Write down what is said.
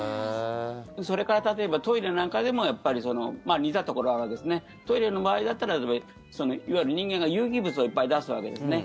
それから例えばトイレなんかでも似たところはトイレの周りだったらいわゆる人間が有機物をいっぱい出すわけですね。